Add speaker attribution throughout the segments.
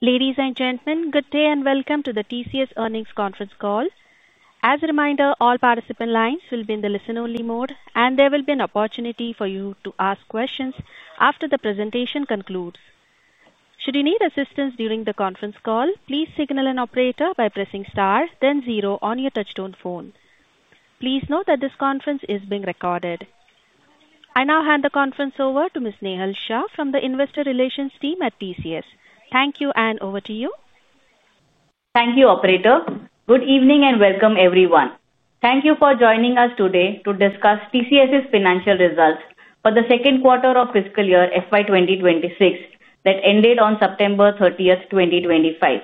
Speaker 1: Ladies and gentlemen, good day and welcome to the TCS earnings conference call. As a reminder, all participant lines will be in the listen-only mode, and there will be an opportunity for you to ask questions after the presentation concludes. Should you need assistance during the conference call, please signal an operator by pressing star, then zero on your touch-tone phone. Please note that this conference is being recorded. I now hand the conference over to Ms. Nehal Shah from the Investor Relations Team at TCS. Thank you, and over to you.
Speaker 2: Thank you, operator. Good evening and welcome, everyone. Thank you for joining us today to discuss Tata Consultancy Services' financial results for the second quarter of fiscal year 2026 that ended on September 30, 2025.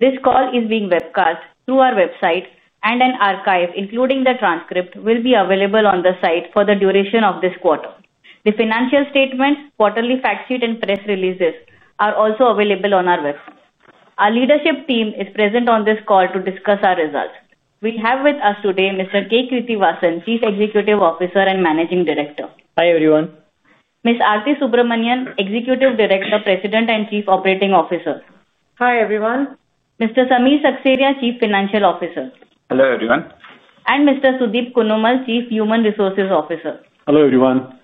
Speaker 2: This call is being webcast through our website, and an archive, including the transcript, will be available on the site for the duration of this quarter. The financial statements, quarterly factsheets, and press releases are also available on our website. Our leadership team is present on this call to discuss our results. We have with us today Mr. K. Krithivasan, Chief Executive Officer and Managing Director.
Speaker 3: Hi, everyone.
Speaker 2: Ms. Aarthi Subramanian, Executive Director, President, and Chief Operating Officer.
Speaker 4: Hi, everyone.
Speaker 2: Mr. Samir Seksaria, Chief Financial Officer.
Speaker 5: Hello, everyone.
Speaker 2: Mr. Sudeep Kunnumal, Chief Human Resources Officer.
Speaker 6: Hello, everyone.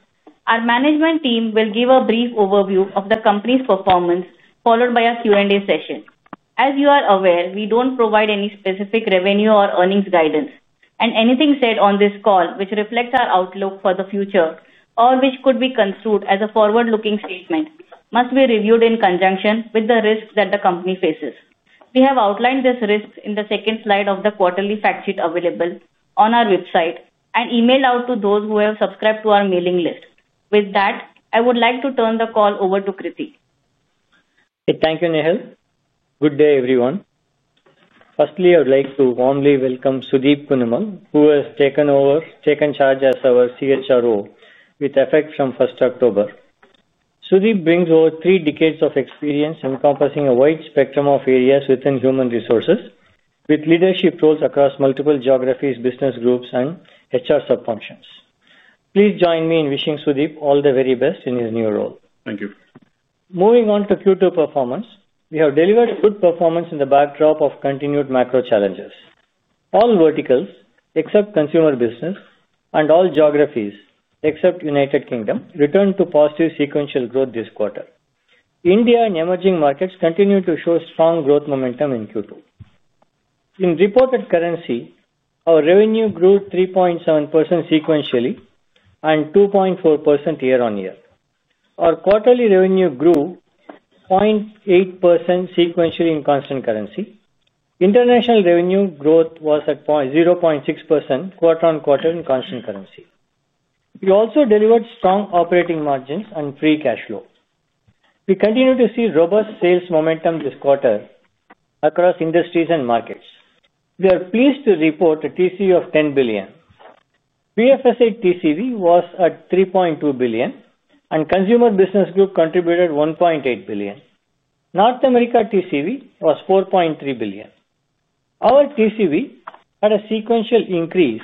Speaker 2: Our management team will give a brief overview of the company's performance, followed by a Q&A session. As you are aware, we don't provide any specific revenue or earnings guidance, and anything said on this call, which reflects our outlook for the future or which could be construed as a forward-looking statement, must be reviewed in conjunction with the risks that the company faces. We have outlined these risks in the second slide of the quarterly factsheet available on our website and emailed out to those who have subscribed to our mailing list. With that, I would like to turn the call over to Krithi.
Speaker 3: Thank you, Nehal. Good day, everyone. Firstly, I would like to warmly welcome Sudeep Kunnumal, who has taken charge as our CHRO with effect from 1st October. Sudeep brings over three decades of experience encompassing a wide spectrum of areas within human resources, with leadership roles across multiple geographies, business groups, and HR sub-functions. Please join me in wishing Sudeep all the very best in his new role.
Speaker 6: Thank you.
Speaker 3: Moving on to Q2 performance, we have delivered a good performance in the backdrop of continued macro challenges. All verticals, except Consumer Business, and all geographies, except United Kingdom, returned to positive sequential growth this quarter. India and emerging markets continue to show strong growth momentum in Q2. In reported currency, our revenue grew 3.7% sequentially and 2.4% year-on-year. Our quarterly revenue grew 0.8% sequentially in constant currency. International revenue growth was at 0.6% quarter-on-quarter in constant currency. We also delivered strong operating margins and free cash flow. We continue to see robust sales momentum this quarter across industries and markets. We are pleased to report a TCV of $10 billion. PFSA TCV was at $3.2 billion, and Consumer Business Group contributed $1.8 billion. North America TCV was $4.3 billion. Our TCV had a sequential increase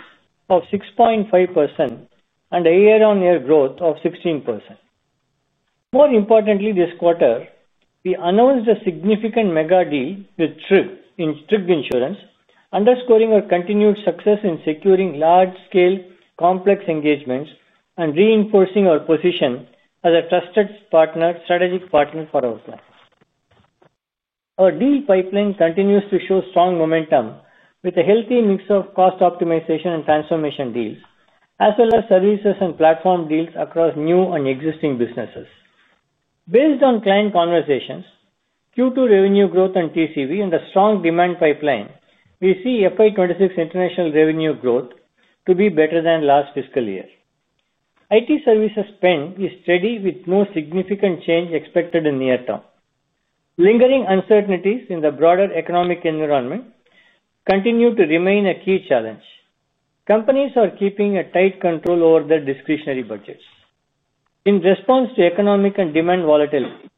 Speaker 3: of 6.5% and a year-on-year growth of 16%. More importantly, this quarter, we announced a significant mega deal with Tryg Insurance, underscoring our continued success in securing large-scale complex engagements and reinforcing our position as a trusted partner, strategic partner for our clients. Our deal pipeline continues to show strong momentum with a healthy mix of cost optimization and transformation deals, as well as services and platform deals across new and existing businesses. Based on client conversations, Q2 revenue growth and TCV, and a strong demand pipeline, we see FY 2026 international revenue growth to be better than last fiscal year. IT services spend is steady, with no significant change expected in the near term. Lingering uncertainties in the broader economic environment continue to remain a key challenge. Companies are keeping a tight control over their discretionary budgets. In response to economic and demand volatility,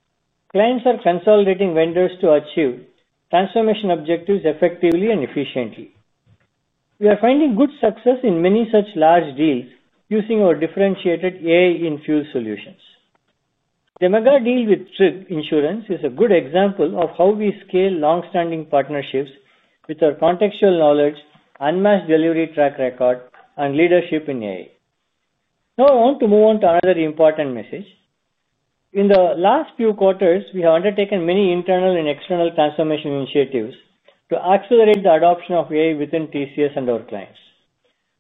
Speaker 3: clients are consolidating vendors to achieve transformation objectives effectively and efficiently. We are finding good success in many such large deals using our differentiated AI-infused solutions. The mega deal with Tryg Insurance is a good example of how we scale longstanding partnerships with our contextual knowledge, unmatched delivery track record, and leadership in AI. Now, I want to move on to another important message. In the last few quarters, we have undertaken many internal and external transformation initiatives to accelerate the adoption of AI within TCS and our clients.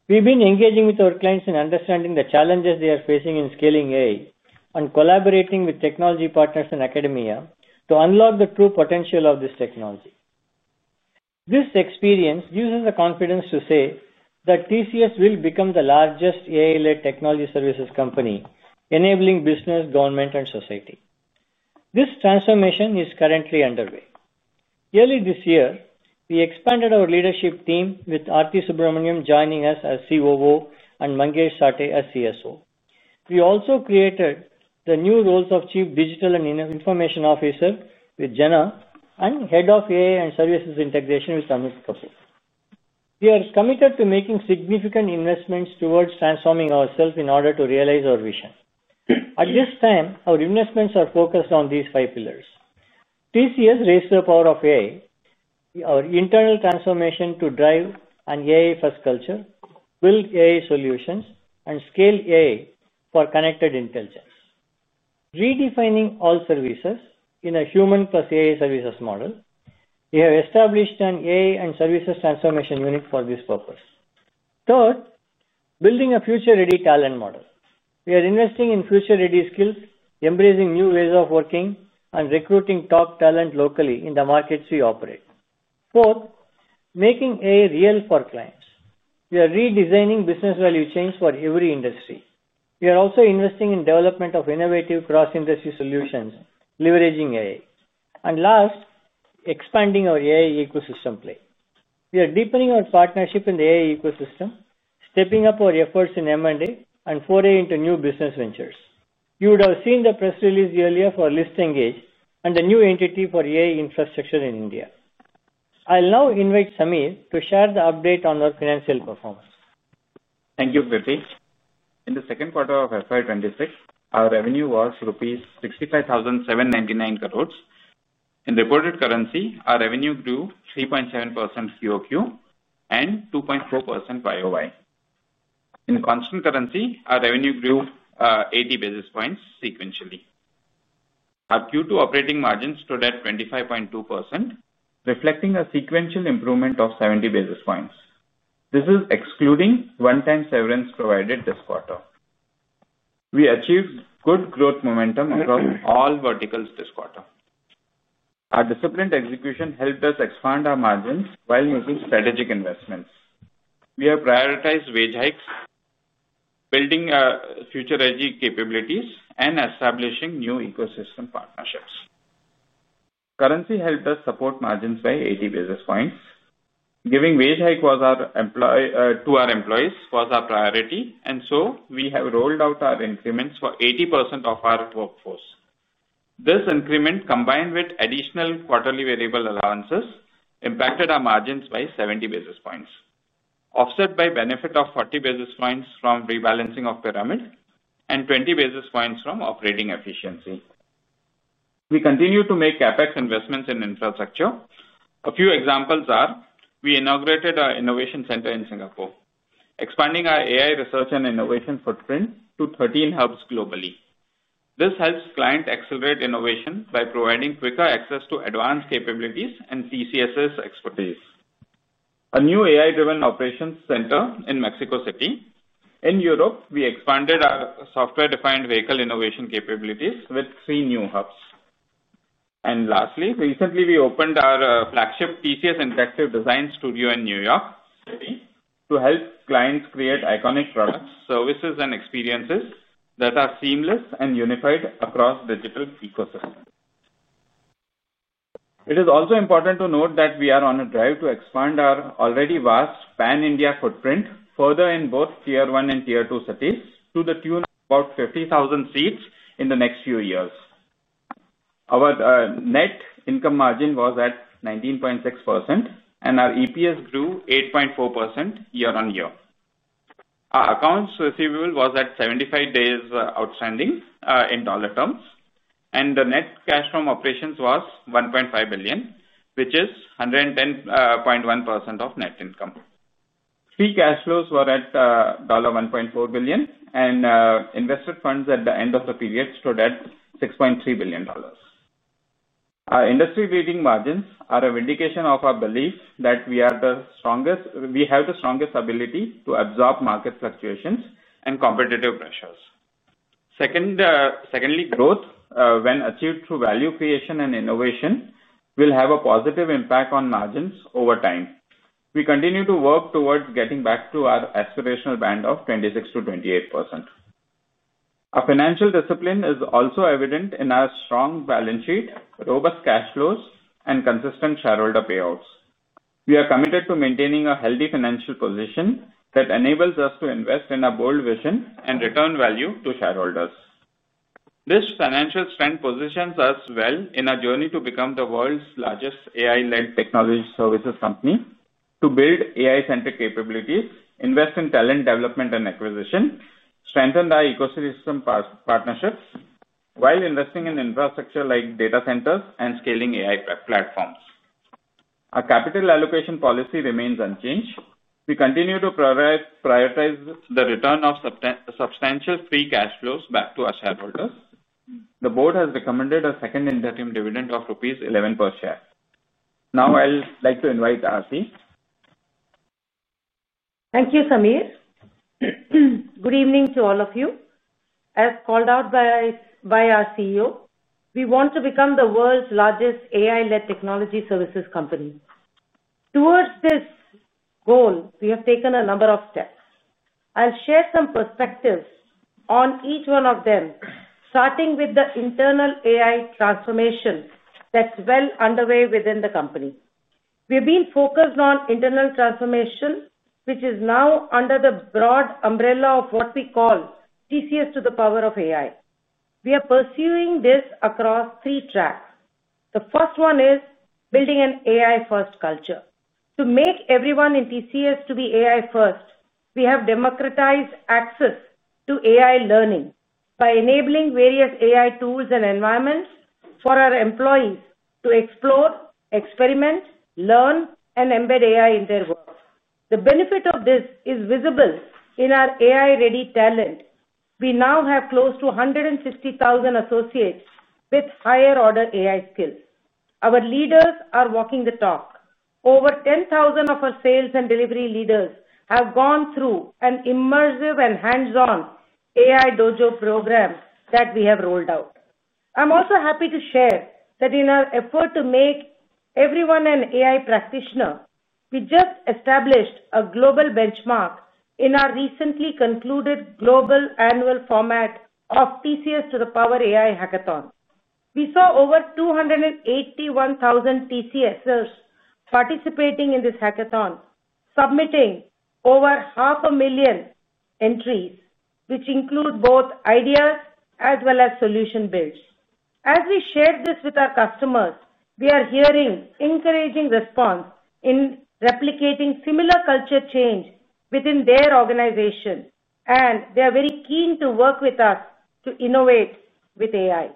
Speaker 3: We've been engaging with our clients in understanding the challenges they are facing in scaling AI and collaborating with technology partners in academia to unlock the true potential of this technology. This experience gives us the confidence to say that TCS will become the largest AI-led technology services company, enabling business, government, and society. This transformation is currently underway. Early this year, we expanded our leadership team, with Aarthi Subramanian joining us as COO and Mangesh Sathe as CSO. We also created the new roles of Chief Digital and Information Officer with Jenna and Head of AI and Services Integration with Amit Kapur. We are committed to making significant investments towards transforming ourselves in order to realize our vision. At this time, our investments are focused on these five pillars. Tata Consultancy Services raised the power of AI, our internal transformation to drive an AI-first culture, build AI solutions, and scale AI for connected intelligence. Redefining all services in a Human-Plus-AI services model, we have established an AI and Services Transformation unit for this purpose. Third, building a future-ready talent model. We are investing in future-ready skills, embracing new ways of working, and recruiting top talent locally in the markets we operate. Fourth, making AI real for clients. We are redesigning business value chains for every industry. We are also investing in the development of innovative cross-industry solutions, leveraging AI. Last, expanding our AI Ecosystem Play. We are deepening our partnership in the AI ecosystem, stepping up our efforts in M&A and foray into new business ventures. You would have seen the press release earlier for ListEngage and the new entity for AI infrastructure in India. I'll now invite Samir to share the update on our financial performance.
Speaker 5: Thank you, Krithi. In the second quarter of FY 2026, our revenue was rupees 65,799 crores. In reported currency, our revenue grew 3.7% QoQ and 2.4% YoY. In constant currency, our revenue grew 80 basis points sequentially. Our Q2 operating margins stood at 25.2%, reflecting a sequential improvement of 70 basis points. This is excluding one-time severance provided this quarter. We achieved good growth momentum across all verticals this quarter. Our disciplined execution helped us expand our margins while making strategic investments. We have prioritized wage hikes, building future-ready capabilities, and establishing new ecosystem partnerships. Currency helped us support margins by 80 basis points. Giving wage hikes to our employees was our priority, and so we have rolled out our increments for 80% of our workforce. This increment, combined with additional quarterly variable allowances, impacted our margins by 70 basis points, offset by a benefit of 40 basis points from rebalancing of pyramid and 20 basis points from operating efficiency. We continue to make CapEx investments in infrastructure. A few examples are we inaugurated our innovation center in Singapore, expanding our AI research and innovation footprint to 13 hubs globally. This helps clients accelerate innovation by providing quicker access to advanced capabilities and TCS's expertise. A new AI-driven operations center in Mexico City. In Europe, we expanded our software-defined vehicle innovation capabilities with three new hubs. Lastly, recently we opened our flagship TCS Interactive Design Studio in New York City to help clients create iconic products, services, and experiences that are seamless and unified across digital ecosystems. It is also important to note that we are on a drive to expand our already vast pan-India footprint further in both Tier-1 and Tier-2 cities to the tune of about 50,000 seats in the next few years. Our net income margin was at 19.6%, and our EPS grew 8.4% year-on-year. Our accounts receivable was at 75 days outstanding in dollar terms, and the net cash from operations was $1.5 billion, which is 110.1% of net income. Free cash flows were at $1.4 billion, and invested funds at the end of the period stood at $6.3 billion. Our industry leading margins are an indication of our belief that we have the strongest ability to absorb market fluctuations and competitive pressures. Growth, when achieved through value creation and innovation, will have a positive impact on margins over time. We continue to work towards getting back to our aspirational band of 26%-28%. Our financial discipline is also evident in our strong balance sheet, robust cash flows, and consistent shareholder payouts. We are committed to maintaining a healthy financial position that enables us to invest in a bold vision and return value to shareholders. This financial strength positions us well in our journey to become the world's largest AI-led technology services company, to build AI-centric capabilities, invest in talent development and acquisition, strengthen our ecosystem partnerships, while investing in infrastructure like data centers and scaling AI platforms. Our capital allocation policy remains unchanged. We continue to prioritize the return of substantial free cash flows back to our shareholders. The board has recommended a second interim dividend of rupees 11 per share. Now, I'd like to invite Aarthi.
Speaker 4: Thank you, Samir. Good evening to all of you. As called out by our CEO, we want to become the world's largest AI-led technology services company. Towards this goal, we have taken a number of steps. I'll share some perspectives on each one of them, starting with the internal AI transformation that's well underway within the company. We're being focused on internal transformation, which is now under the broad umbrella of what we call TCS to the Power of AI. We are pursuing this across three tracks. The first one is building an AI-first culture. To make everyone in TCS to be AI-first, we have democratized access to AI learning by enabling various AI tools and environments for our employees to explore, experiment, learn, and embed AI in their work. The benefit of this is visible in our AI-ready talent. We now have close to 160,000 associates with higher-order AI skills. Our leaders are walking the talk. Over 10,000 of our sales and delivery leaders have gone through an immersive and hands-on AI Dojo program that we have rolled out. I'm also happy to share that in our effort to make everyone an AI practitioner, we just established a global benchmark in our recently concluded global annual format of TCS to the Power AI Hackathon. We saw over 281,000 TCSers participating in this hackathon, submitting over half a million entries, which include both ideas as well as solution builds. As we shared this with our customers, we are hearing encouraging response in replicating similar culture change within their organizations, and they are very keen to work with us to innovate with AI.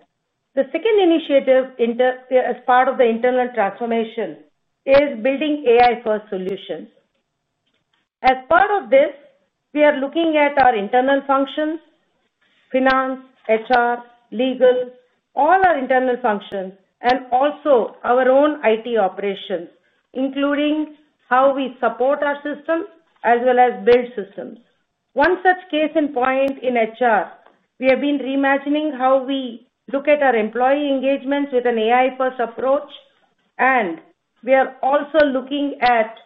Speaker 4: The second initiative as part of the internal transformation is building AI-first solutions. As part of this, we are looking at our internal functions: finance, HR, legal, all our internal functions, and also our own IT operations, including how we support our systems as well as build systems. One such case in point in HR, we have been reimagining how we look at our employee engagements with an AI-first approach, and we are also looking at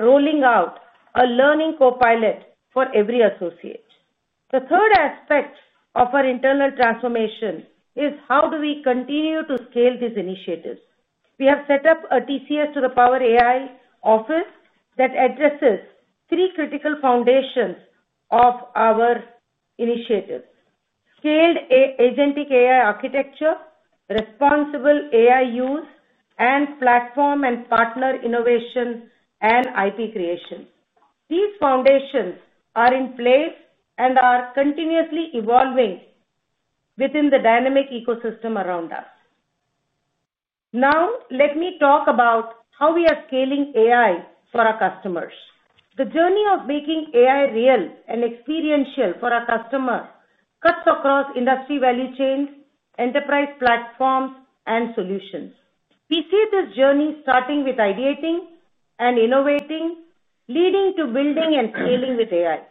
Speaker 4: rolling out a learning copilot for every associate. The third aspect of our internal transformation is how do we continue to scale these initiatives. We have set up a TCS to the Power AI office that addresses three critical foundations of our initiatives: Scaled Agentic AI architecture, Responsible AI use, and Platform and Partner Innovation and IP creation. These foundations are in place and are continuously evolving within the dynamic ecosystem around us. Now, let me talk about how we are scaling AI for our customers. The journey of making AI real and experiential for our customers cuts across industry value chains, enterprise platforms, and solutions. We see this journey starting with ideating and innovating, leading to building and scaling with AI.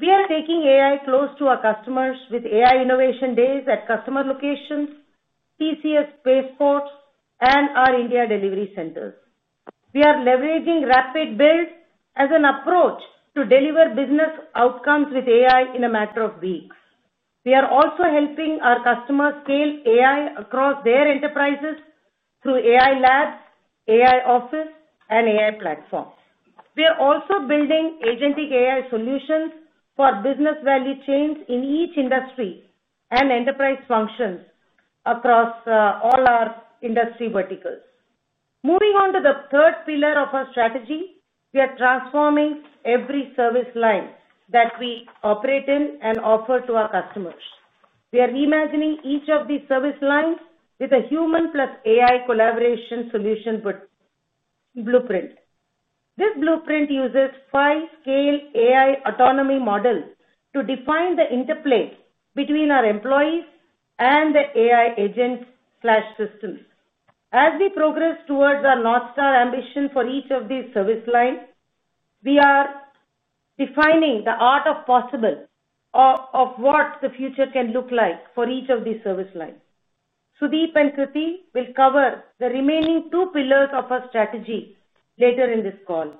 Speaker 4: We are taking AI close to our customers with AI Innovation Days at customer locations, TCS Pace Ports, and our India delivery centers. We are leveraging rapid build as an approach to deliver business outcomes with AI in a matter of weeks. We are also helping our customers scale AI across their enterprises through AI Labs, AI Office, and AI Platforms. We are also building Agentic AI solutions for business value chains in each industry and enterprise functions across all our industry verticals. Moving on to the third pillar of our strategy, we are transforming every service line that we operate in and offer to our customers. We are reimagining each of these service lines with a Human-Plus-AI collaboration solution blueprint. This blueprint uses five Scale AI Autonomy Models to define the interplay between our employees and the AI agents/systems. As we progress towards our North Star ambition for each of these service lines, we are defining the art of possible of what the future can look like for each of these service lines. Sudeep and Krithi will cover the remaining two pillars of our strategy later in this call.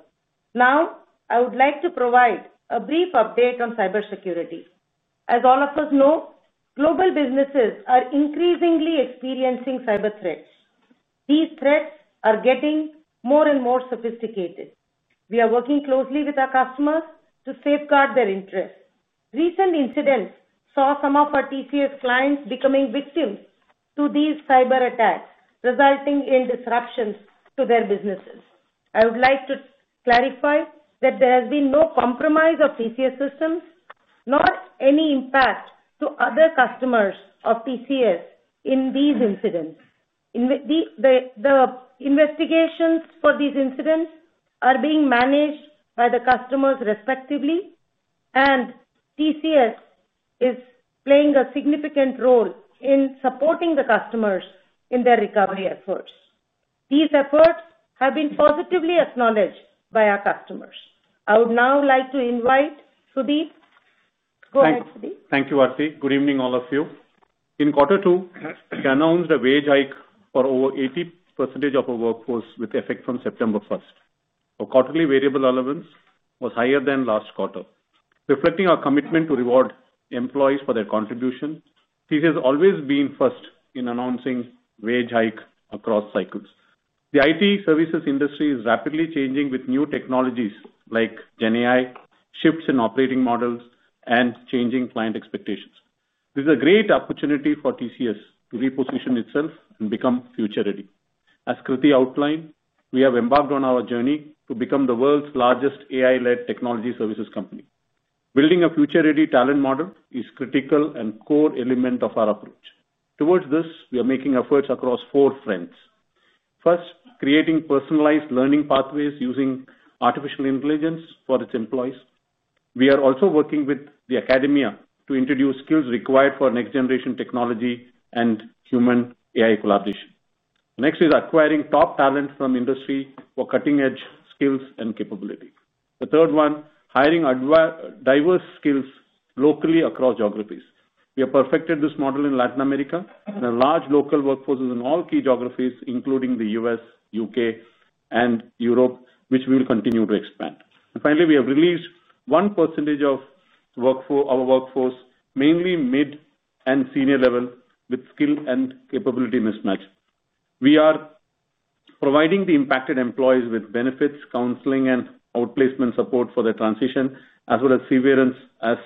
Speaker 4: Now, I would like to provide a brief update on cybersecurity. As all of us know, global businesses are increasingly experiencing cyber threats. These threats are getting more and more sophisticated. We are working closely with our customers to safeguard their interests. Recent incidents saw some of our TCS clients becoming victims to these cyber attacks, resulting in disruptions to their businesses. I would like to clarify that there has been no compromise of TCS systems, nor any impact to other customers of TCS in these incidents. The investigations for these incidents are being managed by the customers respectively, and TCS is playing a significant role in supporting the customers in their recovery efforts. These efforts have been positively acknowledged by our customers. I would now like to invite Sudeep. Go ahead, Sudeep.
Speaker 6: Thank you, Aarthi. Good evening, all of you. In quarter two, we announced a wage hike for over 80% of our workforce with effect from September 1st. Our quarterly variable allowance was higher than last quarter, reflecting our commitment to reward employees for their contribution. TCS has always been first in announcing wage hike across cycles. The IT services industry is rapidly changing with new technologies like Gen AI, shifts in operating models, and changing client expectations. This is a great opportunity for TCS to reposition itself and become future ready. As Krithi outlined, we have embarked on our journey to become the world's largest AI-led technology services company. Building a future-ready talent model is a critical and core element of our approach. Towards this, we are making efforts across four fronts. First, creating personalized learning pathways using artificial intelligence for its employees. We are also working with the academia to introduce skills required for next-generation technology and human-AI collaboration. Next is acquiring top talent from industry for cutting-edge skills and capability. The third one, hiring diverse skills locally across geographies. We have perfected this model in Latin America, and a large local workforce is in all key geographies, including the U.S., U.K., and Europe, which we will continue to expand. Finally, we have released 1% of our workforce, mainly mid and senior level, with skill and capability mismatch. We are providing the impacted employees with benefits, counseling, and outplacement support for their transition, as well as severance at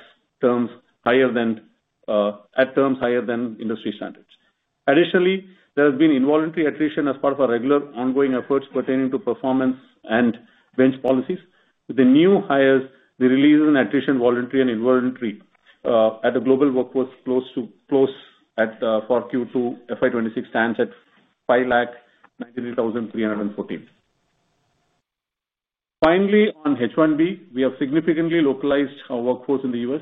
Speaker 6: terms higher than industry standards. Additionally, there has been involuntary attrition as part of our regular ongoing efforts pertaining to performance and bench policies. With the new hires, the release and attrition voluntary and involuntary, the global workforce for Q2 FY 2026 stands at 509,314. Finally, on H1B, we have significantly localized our workforce in the U.S.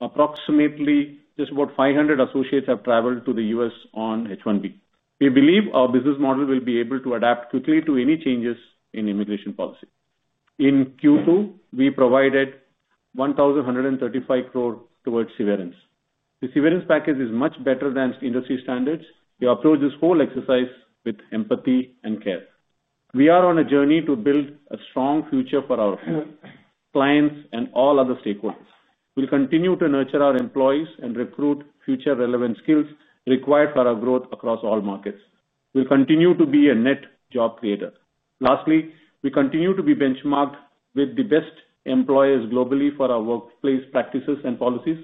Speaker 6: Approximately just about 500 associates have traveled to the U.S. on H1B. We believe our business model will be able to adapt quickly to any changes in immigration policy. In Q2, we provided 1,135 crore towards severance. The severance package is much better than industry standards. We approach this whole exercise with empathy and care. We are on a journey to build a strong future for our clients and all other stakeholders. We'll continue to nurture our employees and recruit future relevant skills required for our growth across all markets. We'll continue to be a net job creator. Lastly, we continue to be benchmarked with the best employers globally for our workplace practices and policies.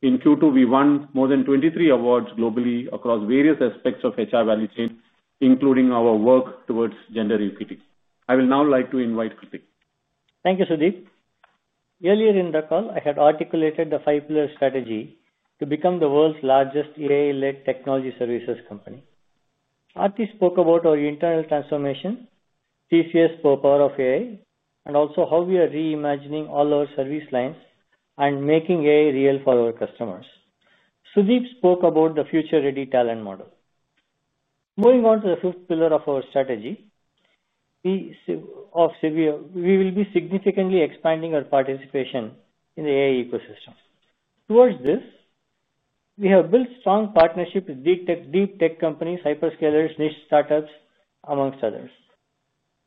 Speaker 6: In Q2, we won more than 23 awards globally across various aspects of the HR value chain, including our work towards gender equity. I will now like to invite Krithi.
Speaker 3: Thank you, Sudeep. Earlier in the call, I had articulated the five-pillar strategy to become the world's largest AI-led technology services company. Aarthi spoke about our internal transformation, TCS to the Power of AI, and also how we are reimagining all our service lines and making AI real for our customers. Sudeep spoke about the future-ready talent model. Moving on to the fifth pillar of our strategy, we will be significantly expanding our participation in the AI ecosystem. Towards this, we have built strong partnerships with deep tech companies, hyperscalers, niche startups, among others.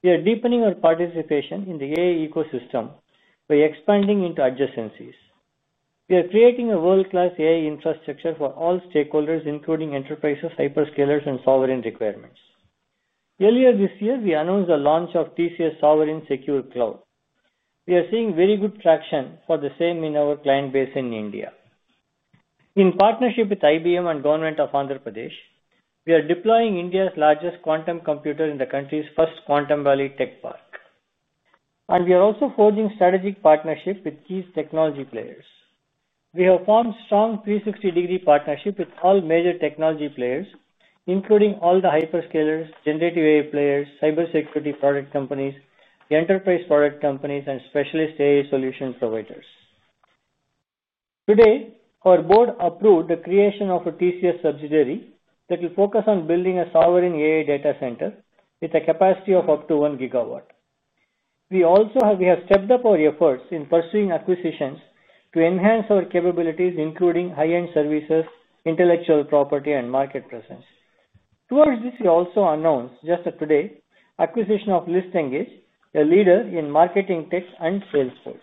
Speaker 3: We are deepening our participation in the AI ecosystem by expanding into adjacencies. We are creating a world-class AI infrastructure for all stakeholders, including enterprises, hyperscalers, and sovereign requirements. Earlier this year, we announced the launch of TCS Sovereign Secure Cloud. We are seeing very good traction for the same in our client base in India. In partnership with IBM and the Andhra Pradesh Government, we are deploying India's largest quantum computer in the country's first Quantum Valley Tech Park. We are also forging strategic partnerships with key technology players. We have formed a strong 360-degree partnership with all major technology players, including all the hyperscalers, generative AI players, cybersecurity product companies, enterprise product companies, and specialist AI solution providers. Today, our board approved the creation of a TCS subsidiary that will focus on building a sovereign AI data center with a capacity of up to 1 GW. We also have stepped up our efforts in pursuing acquisitions to enhance our capabilities, including high-end services, intellectual property, and market presence. Towards this, we also announced, just today, the acquisition of ListEngage, a leader in marketing tech and Salesforce.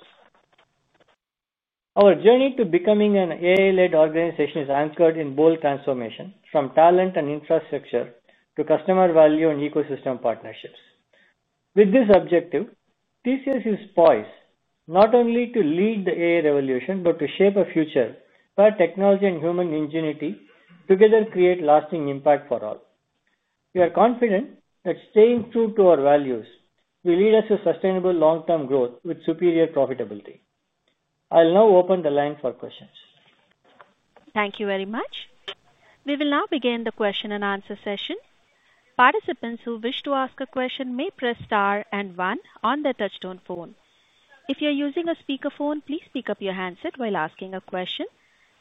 Speaker 3: Our journey to becoming an AI-led organization is anchored in bold transformation, from talent and infrastructure to customer value and ecosystem partnerships. With this objective, TCS is poised not only to lead the AI revolution but to shape a future where technology and human ingenuity together create lasting impact for all. We are confident that staying true to our values will lead us to sustainable long-term growth with superior profitability. I'll now open the line for questions.
Speaker 1: Thank you very much. We will now begin the question and answer session. Participants who wish to ask a question may press star and 1 on their touch-tone phone. If you're using a speakerphone, please pick up your handset while asking a question.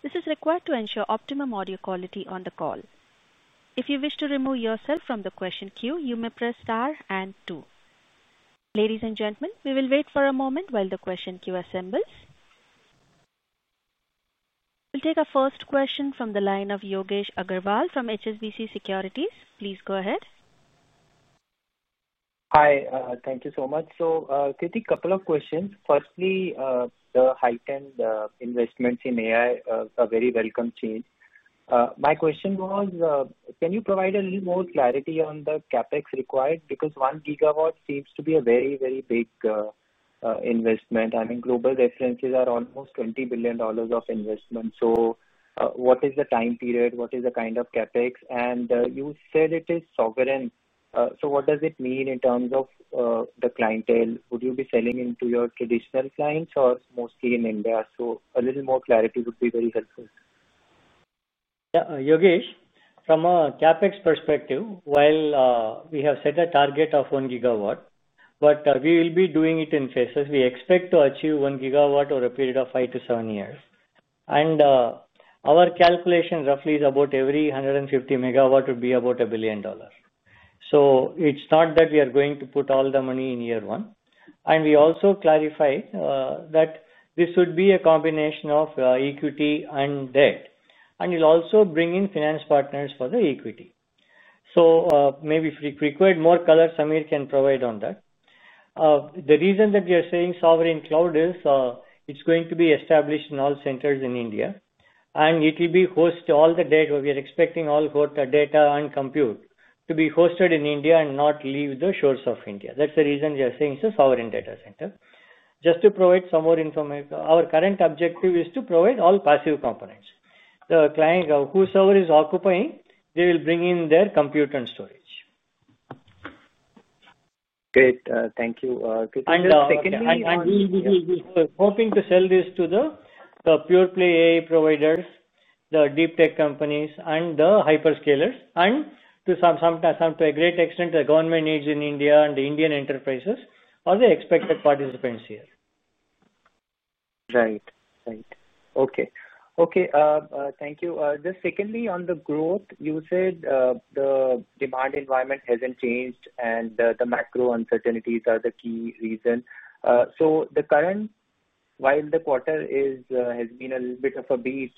Speaker 1: This is required to ensure optimum audio quality on the call. If you wish to remove yourself from the question queue, you may press star and 2. Ladies and gentlemen, we will wait for a moment while the question queue assembles. We'll take our first question from the line of Yogesh Agarwal from HSBC Securities. Please go ahead.
Speaker 7: Hi. Thank you so much. Krithi, a couple of questions. Firstly, the height and the investments in AI are a very welcome change. My question was, can you provide a little more clarity on the CapEx required? Because 1 GW seems to be a very, very big investment. I mean, global references are almost $20 billion of investment. What is the time period? What is the kind of CapEx? You said it is sovereign. What does it mean in terms of the clientele? Would you be selling into your traditional clients or mostly in India? A little more clarity would be very helpful.
Speaker 3: Yogesh, from a CapEx perspective, while we have set a target of 1 GW, we will be doing it in phases. We expect to achieve 1 GW over a period of 5-7 years. Our calculation roughly is about every 150 MW would be about $1 billion. It is not that we are going to put all the money in year one. We also clarified that this would be a combination of equity and debt. We will also bring in finance partners for the equity. If we require more color, Samir can provide on that. The reason that we are saying sovereign cloud is it is going to be established in all centers in India. It will be hosted, all the data. We are expecting all data and compute to be hosted in India and not leave the shores of India. That is the reason we are saying it is a sovereign data center. Just to provide some more information, our current objective is to provide all passive components. The client whose server is occupying, they will bring in their compute and storage.
Speaker 7: Great. Thank you.
Speaker 3: We're hoping to sell this to the pure play AI providers, the deep tech companies, the hyperscalers, and to a great extent, the government aids in India and the Indian enterprises are the expected participants here.
Speaker 7: OK, thank you. Just secondly, on the growth, you said the demand environment hasn't changed, and the macro uncertainties are the key reason. The current, while the quarter has been a little bit of a beat,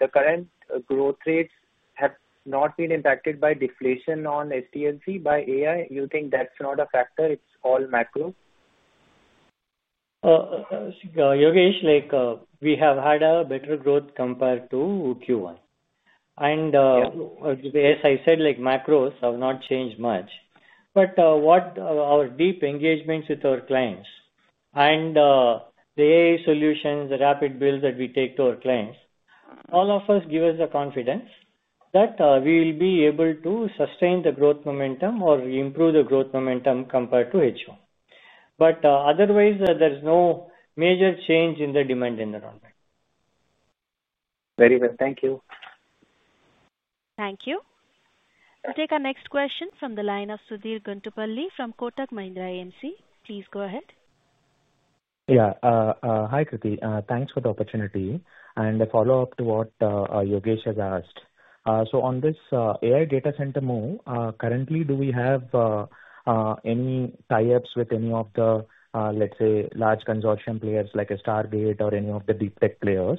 Speaker 7: the current growth rates have not been impacted by deflation on STLC by AI. You think that's not a factor? It's all macro?
Speaker 3: Yogesh, we have had a better growth compared to Q1. As I said, macros have not changed much. What our deep engagements with our clients and the AI solutions, the rapid build that we take to our clients, all of us give us the confidence that we will be able to sustain the growth momentum or improve the growth momentum compared to H1. Otherwise, there's no major change in the demand environment.
Speaker 7: Very good. Thank you.
Speaker 1: Thank you. We'll take our next question from the line of Sudhir Guntupalli from Kotak Mahindra AMC. Please go ahead.
Speaker 8: Yeah. Hi, Krithi. Thanks for the opportunity. A follow-up to what Yogesh has asked. On this AI data center move, currently, do we have any tie-ups with any of the, let's say, large consortium players like a Stargate or any of the deep tech players,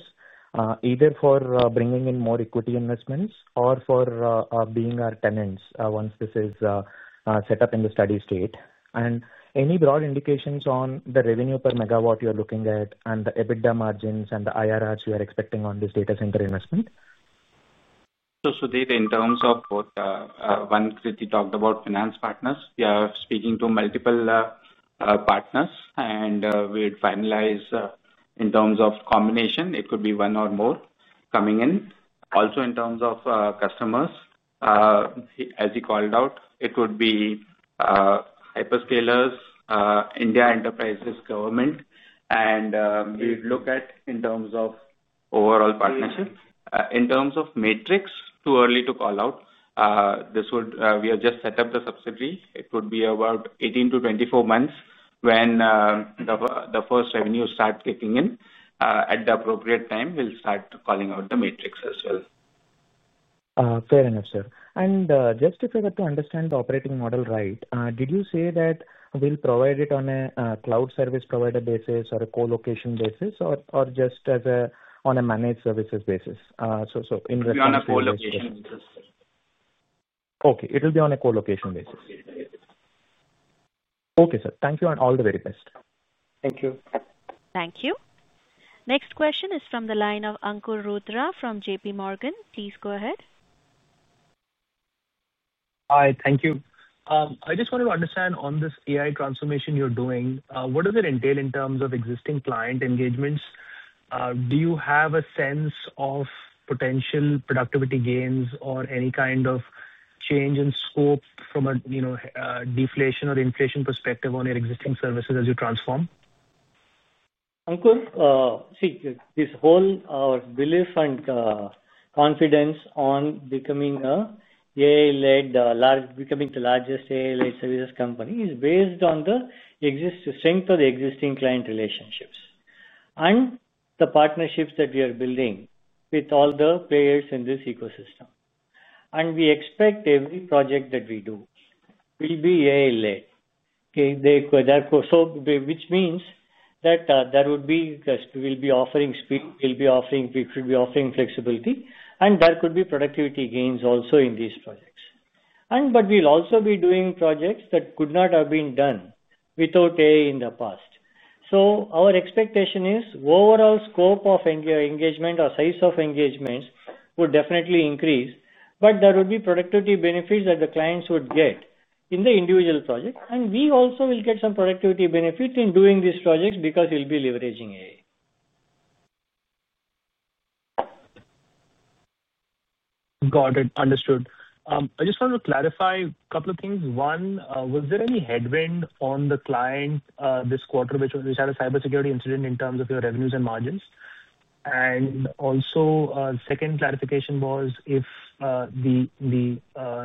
Speaker 8: either for bringing in more equity investments or for being our tenants once this is set up in the steady state? Any broad indications on the revenue per megawatt you're looking at, the EBITDA margins, and the IRRs you are expecting on this data center investment?
Speaker 5: In terms of what Krithi talked about, finance partners, we are speaking to multiple partners. We'd finalize in terms of combination. It could be one or more coming in. Also, in terms of customers, as he called out, it would be hyperscalers, India enterprises, government. We'd look at in terms of overall partnership. In terms of metrics, too early to call out. We have just set up the subsidiary. It would be about 18-24 months when the first revenue starts kicking in. At the appropriate time, we'll start calling out the metrics as well.
Speaker 8: Fair enough, sir. Just if I got to understand the operating model right, did you say that we'll provide it on a cloud service provider basis, a colocation basis, or just as a managed services basis?
Speaker 5: It'll be on a colocation basis.
Speaker 8: OK. It'll be on a colocation basis. OK, sir. Thank you and all the very best.
Speaker 5: Thank you.
Speaker 1: Thank you. Next question is from the line of Ankur Rudra from JPMorgan. Please go ahead.
Speaker 9: Hi. Thank you. I just wanted to understand on this AI transformation you're doing, what does it entail in terms of existing client engagements? Do you have a sense of potential productivity gains or any kind of change in scope from a deflation or inflation perspective on your existing services as you transform?
Speaker 3: Ankur, see, this whole belief and confidence on becoming the largest AI-led services company is based on the strength of the existing client relationships and the partnerships that we are building with all the players in this ecosystem. We expect every project that we do will be AI-led, which means that we will be offering speed. We will be offering, we could be offering, flexibility, and there could be productivity gains also in these projects. We will also be doing projects that could not have been done without AI in the past. Our expectation is the overall scope of engagement or size of engagements would definitely increase. There would be productivity benefits that the clients would get in the individual project, and we also will get some productivity benefits in doing these projects because we will be leveraging AI.
Speaker 9: Got it. Understood. I just wanted to clarify a couple of things. One, was there any headwind on the client this quarter which had a cybersecurity incident in terms of your revenues and margins? Also, the second clarification was if the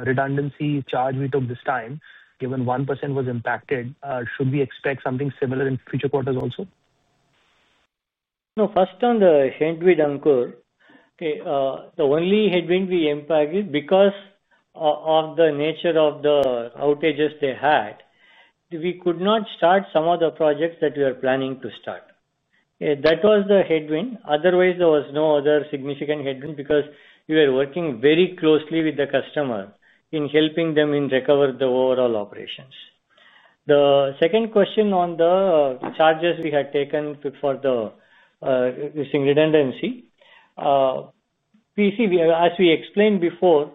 Speaker 9: redundancy charge we took this time, given 1% was impacted, should we expect something similar in future quarters also?
Speaker 3: No. First on the headwind, Ankur, the only headwind we impacted because of the nature of the outages they had, we could not start some of the projects that we were planning to start. That was the headwind. Otherwise, there was no other significant headwind because we were working very closely with the customer in helping them recover the overall operations. The second question on the charges we had taken for the redundancy, as we explained before,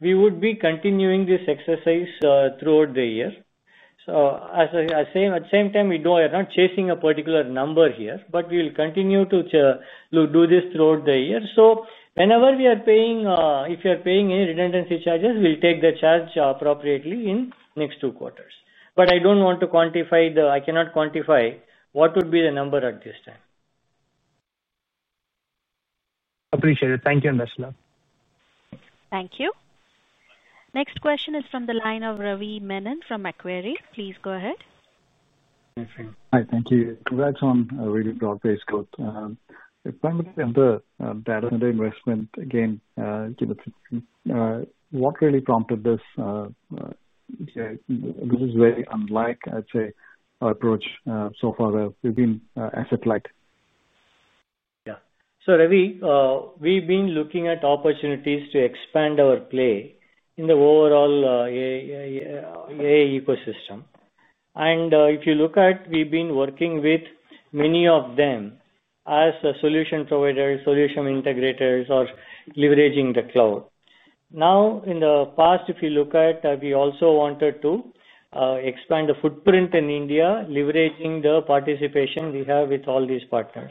Speaker 3: we would be continuing this exercise throughout the year. At the same time, we are not chasing a particular number here, but we will continue to do this throughout the year. Whenever we are paying, if you are paying any redundancy charges, we'll take the charge appropriately in the next two quarters. I cannot quantify what would be the number at this time.
Speaker 9: Appreciate it. Thank you and best luck.
Speaker 1: Thank you. Next question is from the line of Ravi Menon from Macquarie. Please go ahead.
Speaker 10: Hi. Thank you. Congrats on a really broad-based growth. If I'm looking at the data center investment again, what really prompted this? This is very unlike, I'd say, our approach so far. We've been asset-light.
Speaker 3: Yeah. Ravi, we've been looking at opportunities to expand our play in the overall AI ecosystem. If you look at it, we've been working with many of them as a solution provider, solution integrators, or leveraging the cloud. In the past, if you look at it, we also wanted to expand the footprint in India, leveraging the participation we have with all these partners.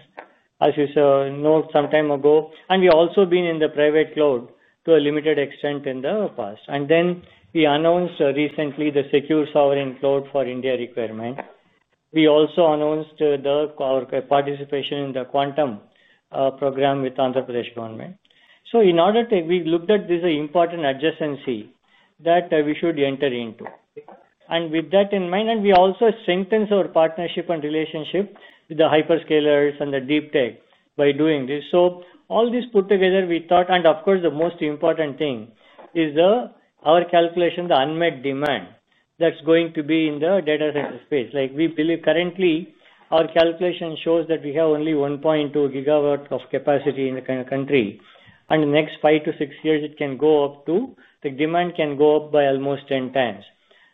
Speaker 3: As you saw, I know some time ago, we've also been in the private cloud to a limited extent in the past. We announced recently the secure sovereign cloud for India requirement. We also announced our participation in the quantum program with the Andhra Pradesh government. In order to, we looked at this as an important adjacency that we should enter into. With that in mind, we also strengthened our partnership and relationship with the hyperscalers and the deep tech by doing this. All this put together, we thought, and of course, the most important thing is our calculation, the unmet demand that's going to be in the data center space. We believe currently, our calculation shows that we have only 1.2 GW of capacity in the country. In the next five to six years, it can go up, the demand can go up by almost 10 times.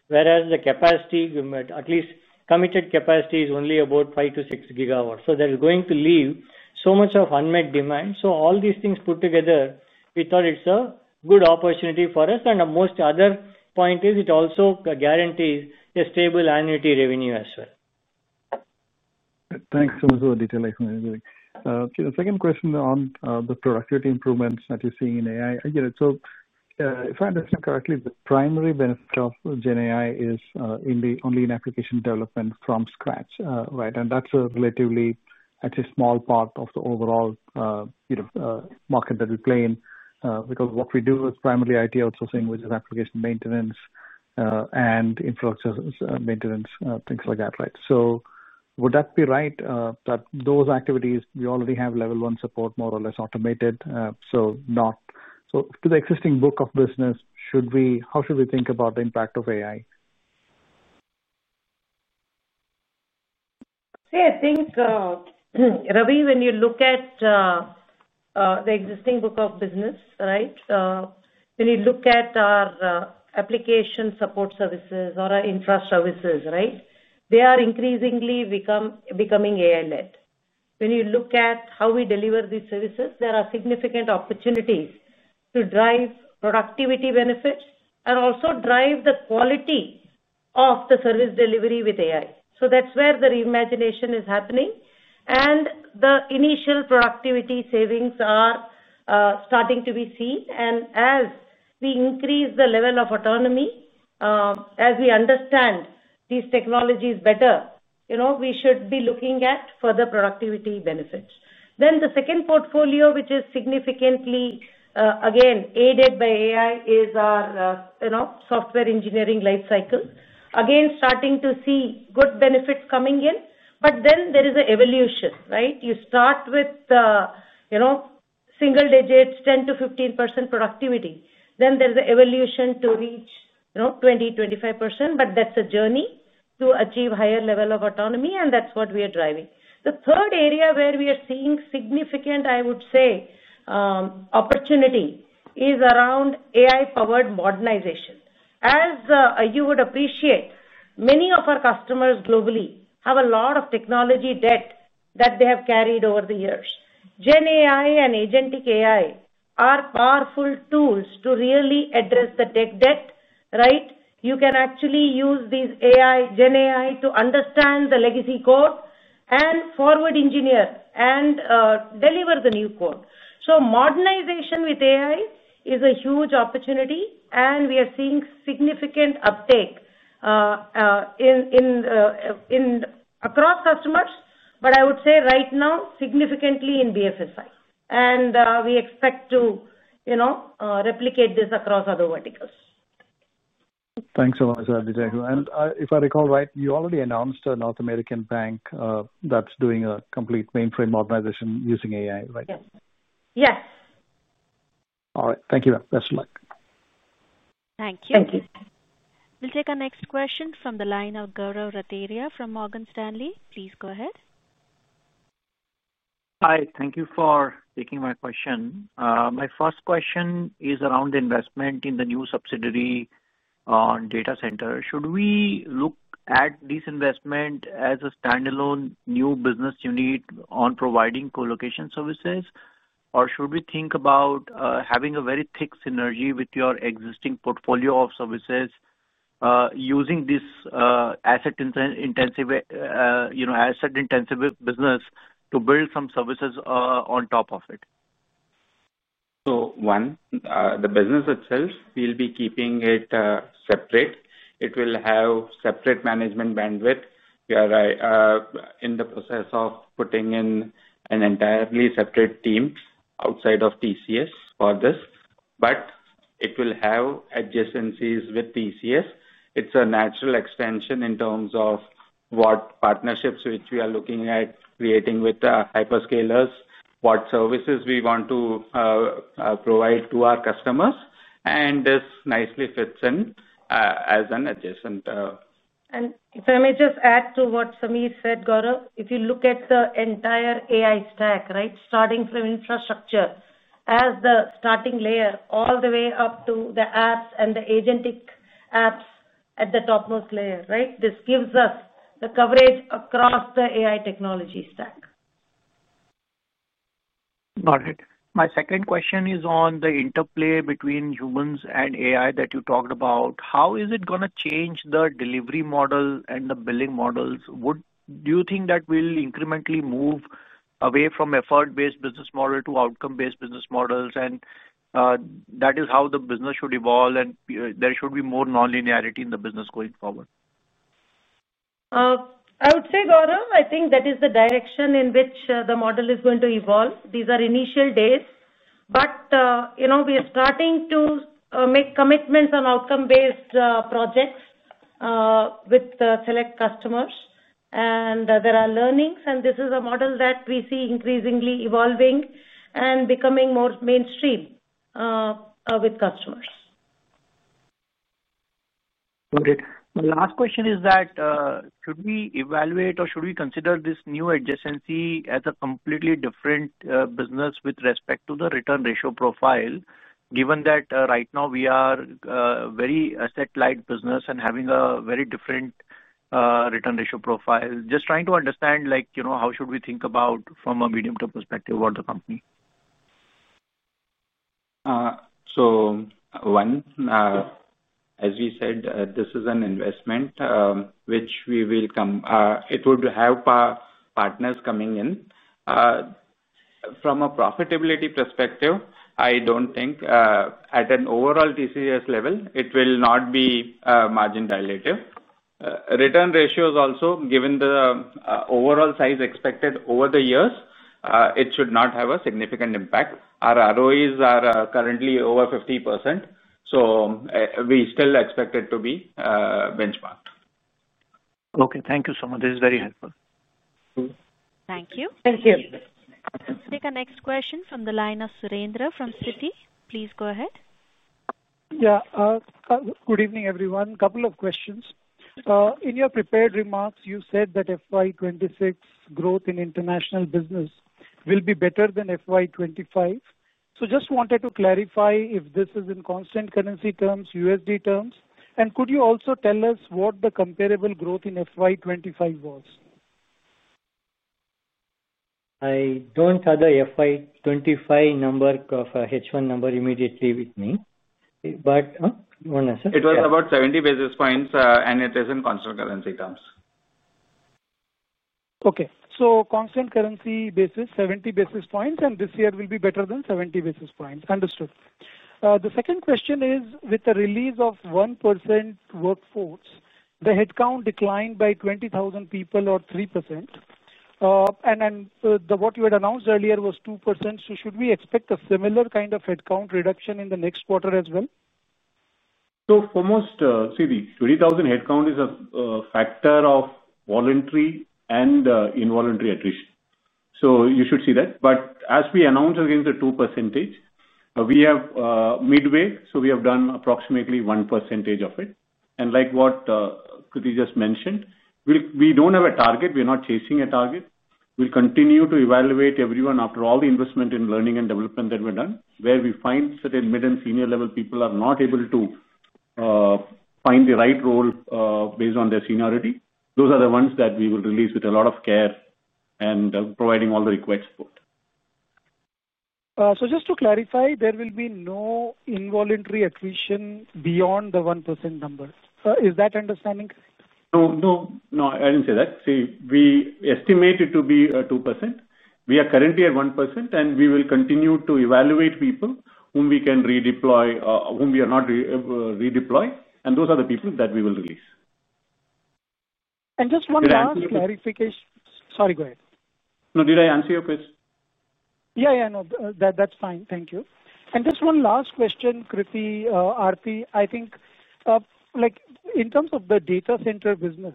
Speaker 3: Whereas the capacity, at least committed capacity, is only about 5 GW-6 GW. That is going to leave so much of unmet demand. All these things put together, we thought it's a good opportunity for us. The most other point is it also guarantees a stable annuity revenue as well.
Speaker 10: Thanks so much for the detailed explanation, Ravi. The second question on the productivity improvements that you're seeing in AI. If I understand correctly, the primary benefit of Gen AI is only in application development from scratch, right? That's a relatively, I'd say, small part of the overall market that we play in because what we do is primarily IT outsourcing, which is application maintenance and infrastructure maintenance, things like that, right? Would that be right that those activities we already have level one support more or less automated? To the existing book of business, how should we think about the impact of AI?
Speaker 4: Yeah, I think, Ravi, when you look at the existing book of business, right, when you look at our application support services or our infrastructures, they are increasingly becoming AI-led. When you look at how we deliver these services, there are significant opportunities to drive productivity benefits and also drive the quality of the service delivery with AI. That's where the reimagination is happening. The initial productivity savings are starting to be seen. As we increase the level of autonomy, as we understand these technologies better, you know we should be looking at further productivity benefits. The second portfolio, which is significantly, again, aided by AI, is our software engineering lifecycle. Again, starting to see good benefits coming in. There is an evolution, right? You start with the single digits, 10%-15% productivity. There's an evolution to reach 20%-25%. That's a journey to achieve a higher level of autonomy. That's what we are driving. The third area where we are seeing significant, I would say, opportunity is around AI-powered modernization. As you would appreciate, many of our customers globally have a lot of technology debt that they have carried over the years. Gen AI and agentic AI are powerful tools to really address the tech debt, right? You can actually use these AI, Gen AI, to understand the legacy code and forward engineer and deliver the new code. Modernization with AI is a huge opportunity. We are seeing significant uptake across customers. I would say right now, significantly in BFSI. We expect to replicate this across other verticals.
Speaker 10: Thanks a lot, Subramanian. If I recall right, you already announced a North American bank that's doing a complete mainframe modernization using AI, right?
Speaker 4: Yes. Yes.
Speaker 10: All right. Thank you, best of luck.
Speaker 1: Thank you.
Speaker 4: Thank you.
Speaker 1: We'll take our next question from the line of Gaurav Rateria from Morgan Stanley. Please go ahead.
Speaker 11: Hi. Thank you for taking my question. My first question is around investment in the new subsidiary on data center. Should we look at this investment as a standalone new business unit on providing colocation services, or should we think about having a very thick synergy with your existing portfolio of services using this asset-intensive business to build some services on top of it?
Speaker 5: The business itself, we'll be keeping it separate. It will have separate management bandwidth. We are in the process of putting in an entirely separate team outside of TCS for this. It will have adjacencies with TCS. It's a natural extension in terms of what partnerships we are looking at creating with the hyperscalers, what services we want to provide to our customers. This nicely fits in as an adjacent service.
Speaker 4: If I may just add to what Samir said, Gaurav, if you look at the entire AI stack, starting from infrastructure as the starting layer all the way up to the apps and the agentic apps at the topmost layer, this gives us the coverage across the AI technology stack.
Speaker 11: Got it. My second question is on the interplay between humans and AI that you talked about. How is it going to change the delivery model and the billing models? Do you think that we'll incrementally move away from effort-based business model to outcome-based business models? That is how the business should evolve, and there should be more nonlinearity in the business going forward.
Speaker 4: I would say, Gaurav, I think that is the direction in which the model is going to evolve. These are initial days. We are starting to make commitments on outcome-based projects with select customers, and there are learnings. This is a model that we see increasingly evolving and becoming more mainstream with customers.
Speaker 11: Got it. My last question is that should we evaluate or should we consider this new adjacency as a completely different business with respect to the return ratio profile, given that right now we are a very asset-light business and having a very different return ratio profile? Just trying to understand, like, you know, how should we think about from a medium-term perspective about the company?
Speaker 5: As we said, this is an investment which will come. It would have partners coming in. From a profitability perspective, I don't think at an overall TCS level, it will be margin dilutive. Return ratios also, given the overall size expected over the years, it should not have a significant impact. Our ROEs are currently over 50%. We still expect it to be benchmarked.
Speaker 11: OK. Thank you so much. This is very helpful.
Speaker 1: Thank you.
Speaker 5: Thank you.
Speaker 1: We'll take our next question from the line of Surendra from Citi. Please go ahead.
Speaker 12: Good evening, everyone. A couple of questions. In your prepared remarks, you said that FY 2026 growth in international business will be better than FY 2025. I just wanted to clarify if this is in constant currency terms, USD terms. Could you also tell us what the comparable growth in FY 2025 was?
Speaker 11: I don't have the FY 2025 number, H1 number immediately with me. Go ahead, sir.
Speaker 3: It was about 70 basis points. It is in constant currency terms.
Speaker 12: On a constant currency basis, 70 basis points. This year will be better than 70 basis points. Understood. The second question is, with the release of 1% workforce, the headcount declined by 20,000 people or 3%. What you had announced earlier was 2%. Should we expect a similar kind of headcount reduction in the next quarter as well?
Speaker 6: For most, Sudeep, 20,000 headcount is a factor of voluntary and involuntary attrition. You should see that. As we announced against the 2%, we have midway. We have done approximately 1% of it. Like what Krithi just mentioned, we don't have a target. We're not chasing a target. We'll continue to evaluate everyone after all the investment in learning and development that we've done. Where we find certain mid and senior level people are not able to find the right role based on their seniority, those are the ones that we will release with a lot of care and providing all the required support.
Speaker 12: Just to clarify, there will be no involuntary attrition beyond the 1% number. Is that understanding?
Speaker 6: No, I didn't say that. See, we estimate it to be 2%. We are currently at 1%. We will continue to evaluate people whom we can redeploy, whom we are not redeploying. Those are the people that we will release.
Speaker 12: Just one last clarification. Sorry. Sorry, go ahead.
Speaker 6: No, did I answer your question?
Speaker 12: Thank you. Just one last question, Krithi, Aarthi. In terms of the data center business,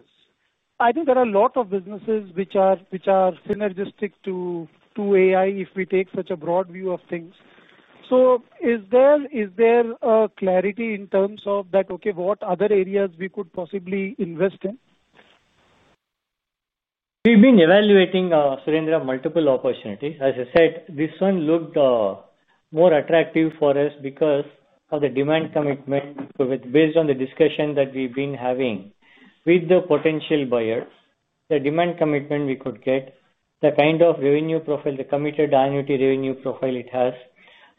Speaker 12: there are a lot of businesses which are synergistic to AI if we take such a broad view of things. Is there clarity in terms of what other areas we could possibly invest in?
Speaker 3: We've been evaluating, Surendra, multiple opportunities. As I said, this one looked more attractive for us because of the demand commitment based on the discussion that we've been having with the potential buyers, the demand commitment we could get, the kind of revenue profile, the committed annuity revenue profile it has,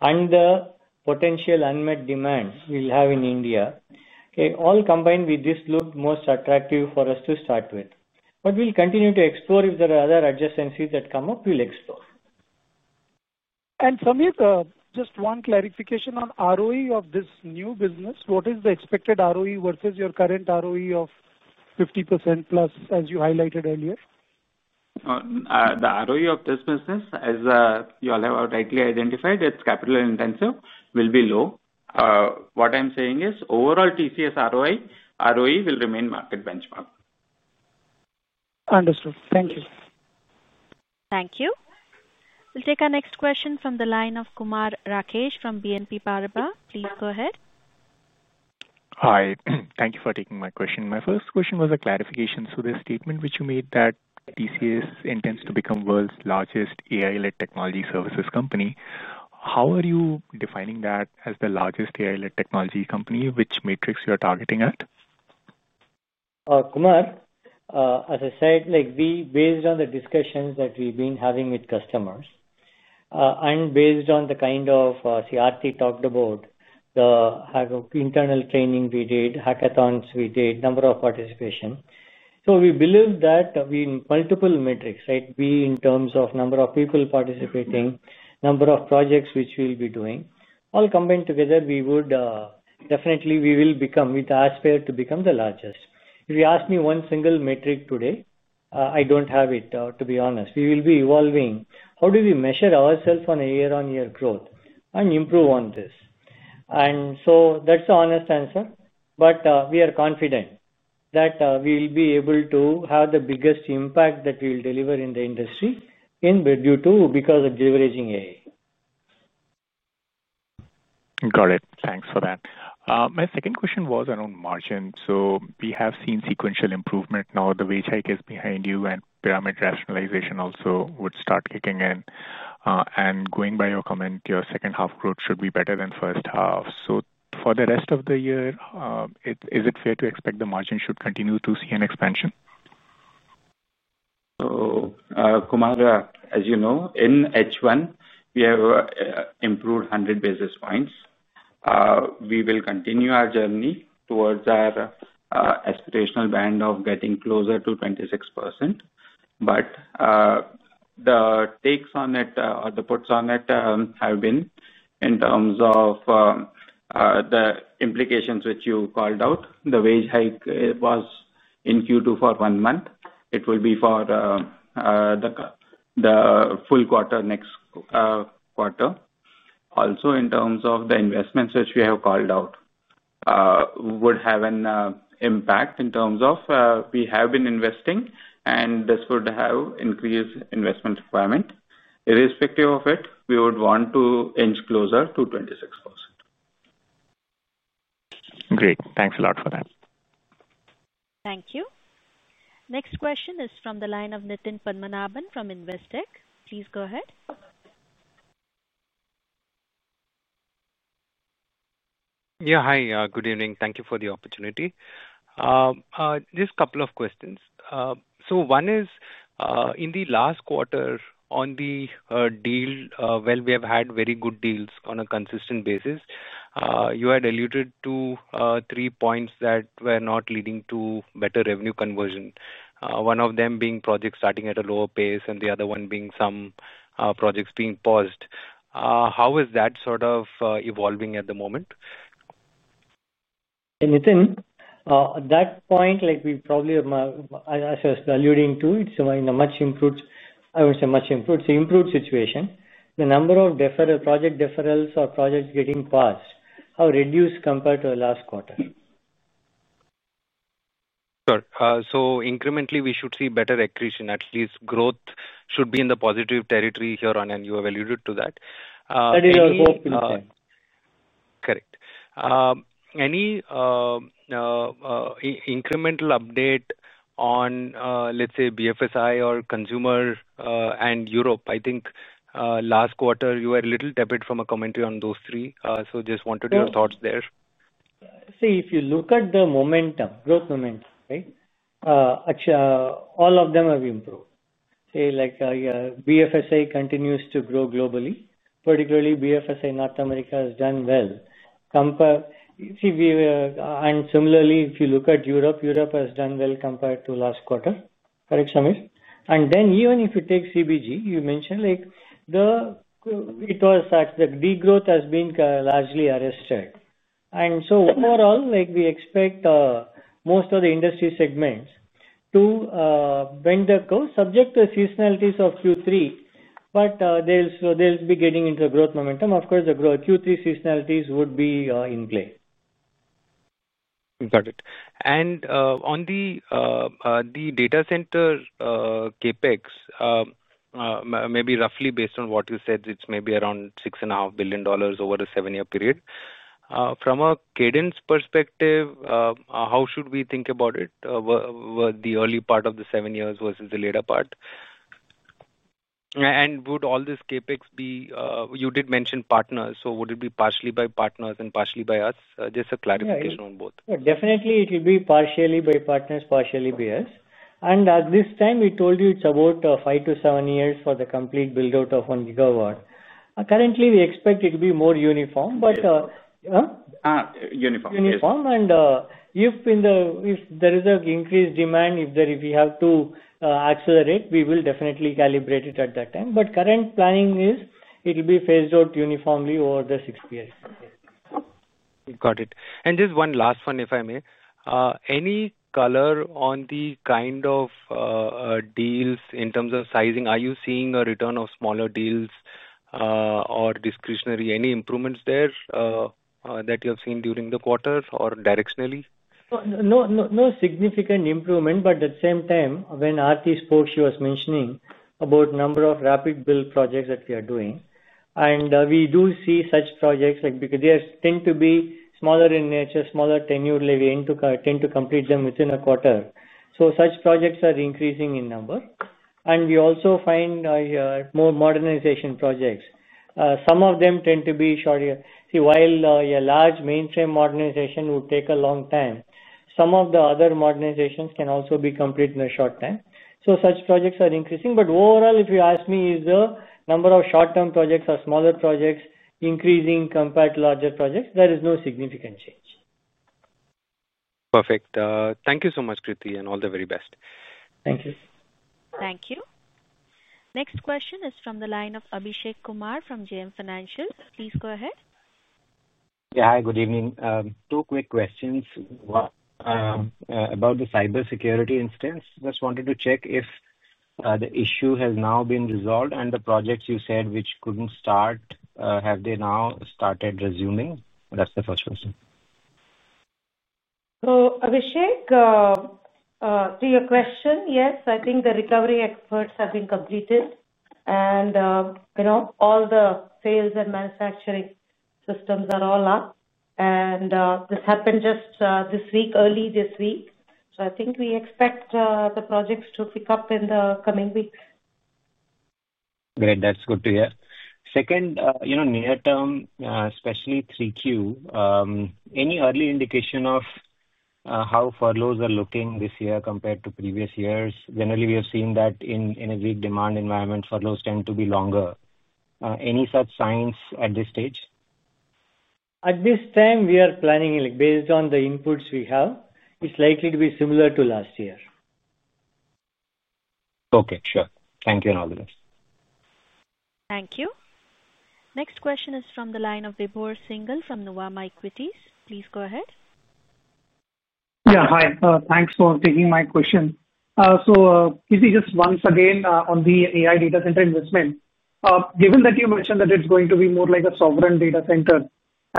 Speaker 3: and the potential unmet demands we'll have in India. All combined with this looked most attractive for us to start with. We'll continue to explore. If there are other adjacencies that come up, we'll explore.
Speaker 12: Samir, just one clarification on ROE of this new business. What is the expected ROE versus your current ROE of 50%+, as you highlighted earlier?
Speaker 5: The ROE of this business, as you all have rightly identified, it's capital intensive, will be low. What I'm saying is overall TCS ROE will remain market benchmark.
Speaker 12: Understood. Thank you.
Speaker 1: Thank you. We'll take our next question from the line of Kumar Rakesh from BNP Paribas. Please go ahead.
Speaker 13: Hi. Thank you for taking my question. My first question was a clarification. The statement which you made that TCS intends to become the world's largest AI-led technology services company, how are you defining that as the largest AI-led technology company? Which metrics you are targeting at?
Speaker 3: Kumar, as I said, based on the discussions that we've been having with customers and based on the kind of, Aarthi talked about the internal training we did, Hackathons we did, number of participation, we believe that we, in multiple metrics, right, be it in terms of number of people participating, number of projects which we'll be doing, all combined together, we would definitely, we will become with the aspire to become the largest. If you ask me one single metric today, I don't have it, to be honest. We will be evolving. How do we measure ourselves on a year-on-year growth and improve on this? That's the honest answer. We are confident that we'll be able to have the biggest impact that we'll deliver in the industry due to leveraging AI.
Speaker 13: Got it. Thanks for that. My second question was around margin. We have seen sequential improvement. Now the wage hike is behind you. Pyramid rationalization also would start kicking in. Going by your comment, your second half growth should be better than the first half. For the rest of the year, is it fair to expect the margin should continue to see an expansion?
Speaker 5: Kumar, as you know, in H1, we have improved 100 basis points. We will continue our journey towards our aspirational band of getting closer to 26%. The takes on it or the puts on it have been in terms of the implications which you called out. The wage hike was in Q2 for one month. It will be for the full quarter next quarter. Also, in terms of the investments which we have called out, would have an impact in terms of we have been investing. This would have increased investment requirement. Irrespective of it, we would want to inch closer to 26%.
Speaker 13: Great. Thanks a lot for that.
Speaker 1: Thank you. Next question is from the line of Nitin Padmanabhan from Investec. Please go ahead.
Speaker 14: Hi. Good evening. Thank you for the opportunity. Just a couple of questions. One is, in the last quarter, on the deal, we have had very good deals on a consistent basis. You had alluded to three points that were not leading to better revenue conversion, one of them being projects starting at a lower pace and the other one being some projects being paused. How is that sort of evolving at the moment?
Speaker 3: Nitin, that point, like we probably are alluding to, it's in a much improved, I would say much improved, so improved situation. The number of project deferrals or projects getting passed are reduced compared to the last quarter.
Speaker 14: Got it. Incrementally, we should see better attrition. At least growth should be in the positive territory here on. You alluded to that.
Speaker 3: That is our goal.
Speaker 14: Correct. Any incremental update on, let's say, BFSI or consumer and Europe? I think last quarter, you were a little tepid from a commentary on those three. Just wanted your thoughts there.
Speaker 3: See, if you look at the momentum, growth momentum, right, all of them have improved. See, like BFSI continues to grow globally. Particularly, BFSI North America has done well. We were, and similarly, if you look at Europe, Europe has done well compared to last quarter. Correct, Samir? Even if you take CBG, you mentioned like it was such that the growth has been largely arrested. Overall, we expect most of the industry segments to bend the curve, subject to the seasonalities of Q3. They'll be getting into the growth momentum. Of course, the Q3 seasonalities would be in play.
Speaker 14: Got it. On the data center CapEx, maybe roughly based on what you said, it's maybe around $6.5 billion over a seven-year period. From a cadence perspective, how should we think about it, the early part of the seven years versus the later part? Would all this CapEx be, you did mention partners, would it be partially by partners and partially by us? Just a clarification on both.
Speaker 3: Definitely, it will be partially by partners, partially by us. At this time, we told you it's about five to seven years for the complete build-out of 1 GW. Currently, we expect it to be more uniform.
Speaker 14: Uniform.
Speaker 3: Uniform. If there is an increased demand, if we have to accelerate, we will definitely calibrate it at that time. Current planning is it will be phased out uniformly over the six years.
Speaker 14: Got it. Just one last one, if I may. Any color on the kind of deals in terms of sizing? Are you seeing a return of smaller deals or discretionary? Any improvements there that you have seen during the quarter or directionally?
Speaker 3: There is no significant improvement. At the same time, when Aarthi spoke, she was mentioning the number of rapid build projects that we are doing. We do see such projects because they tend to be smaller in nature, with smaller tenure. We tend to complete them within a quarter. Such projects are increasing in number. We also find more modernization projects. Some of them tend to be short. While a large mainframe modernization would take a long time, some of the other modernizations can also be completed in a short time. Such projects are increasing. Overall, if you ask me, is the number of short-term projects or smaller projects increasing compared to larger projects, there is no significant change.
Speaker 14: Perfect. Thank you so much, Krithi, and all the very best.
Speaker 3: Thank you.
Speaker 1: Thank you. Next question is from the line of Abhishek Kumar from JM Financial. Please go ahead.
Speaker 15: Hi. Good evening. Two quick questions. About the cybersecurity instance, just wanted to check if the issue has now been resolved. The projects you said which couldn't start, have they now started resuming? That's the first question.
Speaker 4: Abhishek, to your question, yes, I think the recovery experts have been completed. You know all the sales and manufacturing systems are all up. This happened just this week, early this week. I think we expect the projects to pick up in the coming weeks.
Speaker 15: Great. That's good to hear. Second, you know near term, especially 3Q, any early indication of how furloughs are looking this year compared to previous years? Generally, we have seen that in a weak demand environment, furloughs tend to be longer. Any such signs at this stage?
Speaker 3: At this time, we are planning, based on the inputs we have, it's likely to be similar to last year.
Speaker 15: OK, sure. Thank you and all the best.
Speaker 1: Thank you. Next question is from the line of Vibhor Singhal from Nuvama Equities. Please go ahead.
Speaker 16: Yeah. Hi. Thanks for taking my question. Krithi, just once again, on the AI data center investment, given that you mentioned that it's going to be more like a sovereign AI data center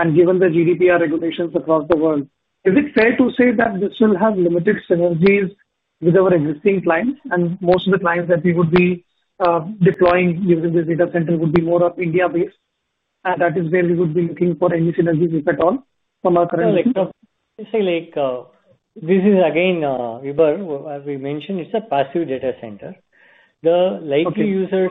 Speaker 16: and given the GDPR regulations across the world, is it fair to say that this will have limited synergies with our existing clients? Most of the clients that we would be deploying using this data center would be more India-based, and that is where we would be looking for any synergies, if at all, from our current.
Speaker 3: This is, again, Vibhor, as we mentioned, it's a passive data center. The likely users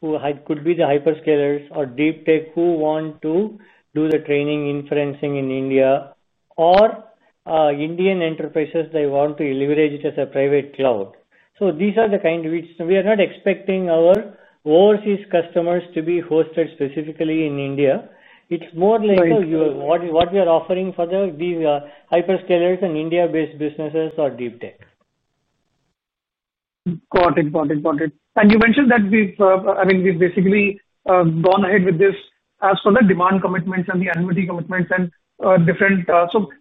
Speaker 3: who could be the hyperscalers or deep tech who want to do the training inferencing in India or Indian enterprises, they want to leverage it as a private cloud. These are the kind which we are not expecting our overseas customers to be hosted specifically in India. It's more like what we are offering for these hyperscalers and India-based businesses or deep tech.
Speaker 16: Got it. You mentioned that we've basically gone ahead with this as for the demand commitments and the annuity commitments and different.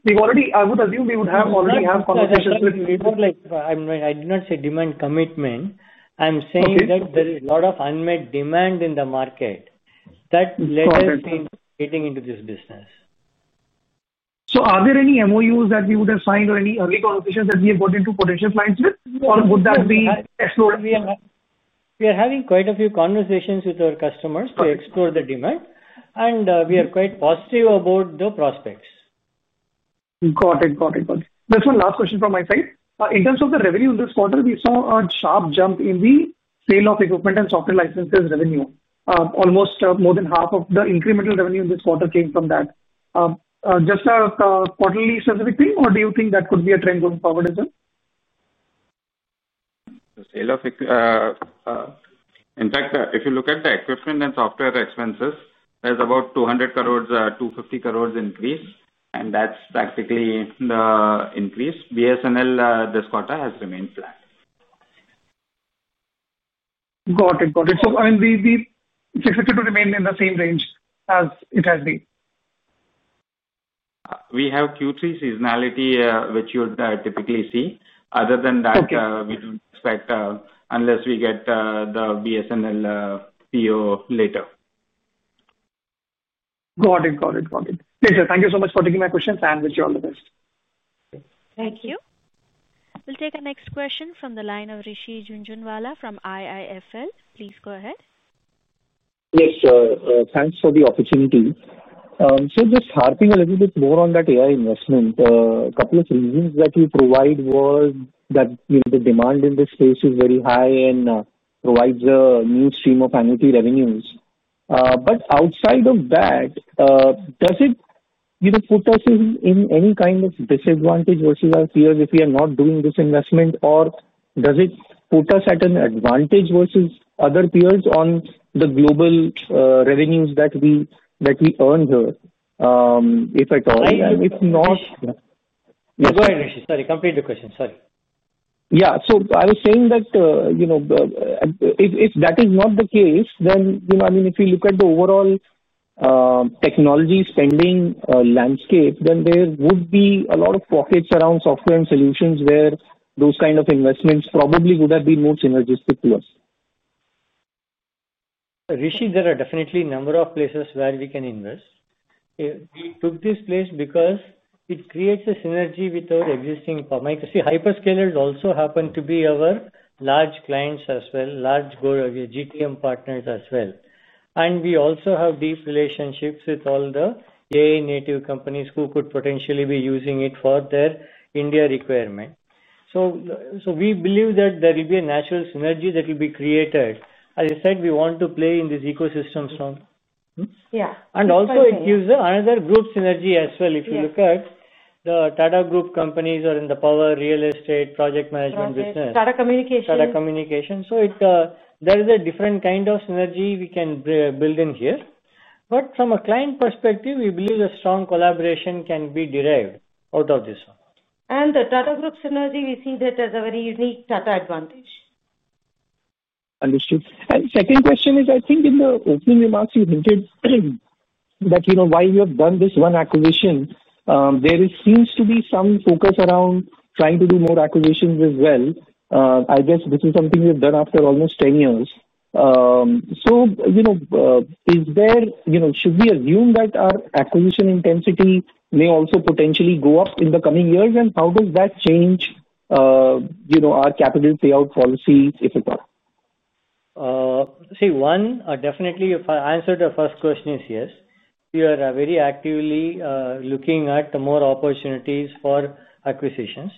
Speaker 16: We would have already had conversations with.
Speaker 3: I did not say demand commitment. I'm saying that there is a lot of unmet demand in the market that led us into getting into this business.
Speaker 16: Are there any MOUs that we would have signed or any early conversations that we have got into with potential clients? Would that be explored?
Speaker 3: We are having quite a few conversations with our customers to explore the demand. We are quite positive about the prospects.
Speaker 16: Got it, got it, got it. That's my last question from my side. In terms of the revenue in this quarter, we saw a sharp jump in the sale of equipment and software licenses revenue. Almost more than half of the incremental revenue in this quarter came from that. Just a quarterly specific thing, or do you think that could be a trend going forward as well?
Speaker 5: In fact, if you look at the equipment and software expenses, there's about 200 crore-250 crore increase. That's practically the increase. BSNL this quarter has remained flat.
Speaker 16: Got it, got it. I mean, it's expected to remain in the same range as it has been.
Speaker 5: We have Q3 seasonality, which you would typically see. Other than that, we don't expect, unless we get the BSNL PO later.
Speaker 16: Thank you so much for taking my questions. Wish you all the best.
Speaker 1: Thank you. We'll take our next question from the line of Rishi Jhunjhunwala from IIFL. Please go ahead.
Speaker 17: Yes, sure. Thanks for the opportunity. Just harping a little bit more on that AI investment. A couple of reasons that we provide were that the demand in this space is very high and provides a new stream of annuity revenues. Outside of that, does it put us in any kind of disadvantage versus our peers if we are not doing this investment? Does it put us at an advantage versus other peers on the global revenues that we earn here, if at all?
Speaker 3: I am.
Speaker 17: If not.
Speaker 3: Go ahead, Rishi. Sorry, complete the question.
Speaker 17: If that is not the case, then if you look at the overall technology spending landscape, there would be a lot of pockets around software and solutions where those kind of investments probably would have been more synergistic to us.
Speaker 3: Rishi, there are definitely a number of places where we can invest. We took this place because it creates a synergy with our existing, see, hyperscalers also happen to be our large clients as well, large GTM partners as well. We also have deep relationships with all the AI-native companies who could potentially be using it for their India requirement. We believe that there will be a natural synergy that will be created. As I said, we want to play in these ecosystems.
Speaker 4: Yeah.
Speaker 3: It gives another group synergy as well. If you look at the Tata Group companies or in the power, real estate, project management business.
Speaker 4: Tata Communications.
Speaker 3: Tata Communications. There is a different kind of synergy we can build in here. From a client perspective, we believe a strong collaboration can be derived out of this one.
Speaker 4: The Tata Group synergy, we see that as a very unique Tata advantage.
Speaker 17: Understood. Second question is, I think in the opening remarks, you hinted that you know why we have done this one acquisition. There seems to be some focus around trying to do more acquisitions as well. I guess this is something we've done after almost 10 years. Should we assume that our acquisition intensity may also potentially go up in the coming years? How does that change our capital payout policy, if at all?
Speaker 3: See, one, definitely, if I answered the first question, is yes. We are very actively looking at more opportunities for acquisitions.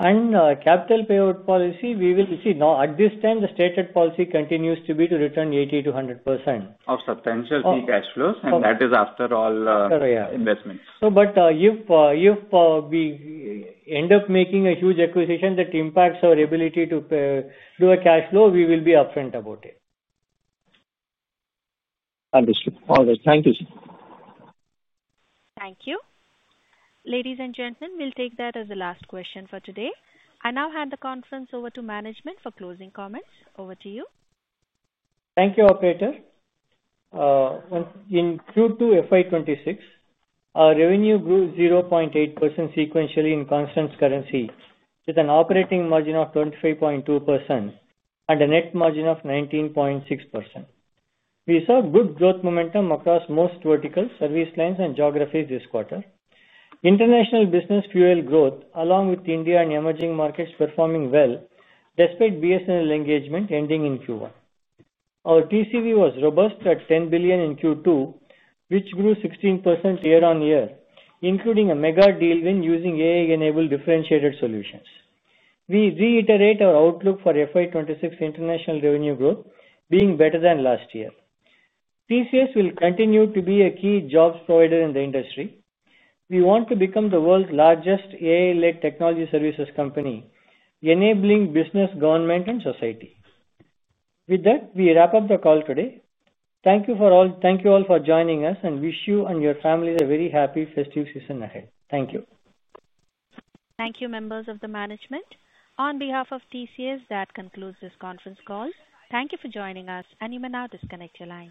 Speaker 3: Capital payout policy, we will see now at this time, the stated policy continues to be to return 80%-100%.
Speaker 5: There are substantial free cash flows after all investments.
Speaker 3: If we end up making a huge acquisition that impacts our ability to do a cash flow, we will be upfront about it.
Speaker 7: Understood. All right. Thank you, sir.
Speaker 1: Thank you. Ladies and gentlemen, we'll take that as the last question for today. I now hand the conference over to management for closing comments. Over to you.
Speaker 3: Thank you, operator. In Q2 FY 2026, our revenue grew 0.8% sequentially in constant currency with an operating margin of 25.2% and a net margin of 19.6%. We saw good growth momentum across most verticals, service lines, and geographies this quarter. International business fueled growth, along with India and emerging markets, performing well despite BSNL engagement ending in Q1. Our TCV was robust at $10 billion in Q2, which grew 16% year-on-year, including a mega deal win using AI-enabled differentiated solutions. We reiterate our outlook for FY 2026 international revenue growth being better than last year. TCS will continue to be a key jobs provider in the industry. We want to become the world's largest AI-led technology services company, enabling business, government, and society. With that, we wrap up the call today. Thank you all for joining us. We wish you and your families a very happy festive season ahead. Thank you.
Speaker 1: Thank you, members of the management. On behalf of TCS, that concludes this conference call. Thank you for joining us. You may now disconnect your line.